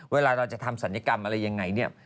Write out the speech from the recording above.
เวลาเราจะทำศัลยกรรมอะไรยังไงเนี่ย